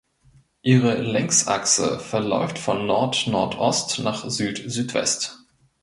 Ihre Längsachse verläuft von Nordnordost nach Südsüdwest.